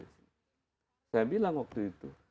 saya bilang waktu itu